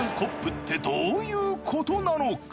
ってどういうことなのか？